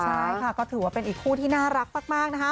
ใช่ค่ะก็ถือว่าเป็นอีกคู่ที่น่ารักมากนะคะ